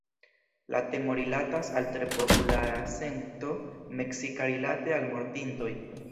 La temo rilatas al tre populara sento meksika rilate al mortintoj.